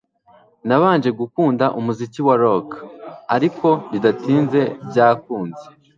Nabanje gukunda umuziki wa rock, ariko bidatinze byankuze.